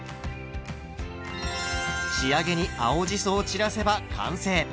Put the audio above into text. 仕上げに青じそを散らせば完成。